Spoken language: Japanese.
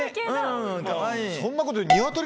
そんなことより。